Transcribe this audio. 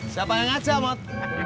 siapa yang ngajak mod